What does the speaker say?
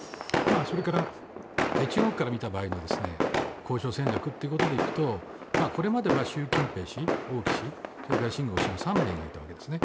それから中国から見た場合の交渉戦略ということでいうとこれまでは習近平氏、王毅氏シン・ゴウ氏の３名がいたわけですね。